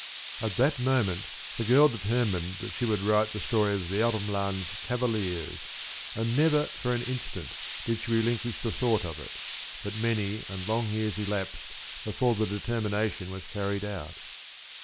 At that moment the girl determined that she would write the story of Vermland's Cavaliers, and never for an instant did she relinquish the thought of it; but many and long years elapsed before the determination was carried out.